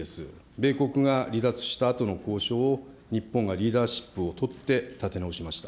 米国が離脱したあとの交渉を日本がリーダーシップをとって立て直しました。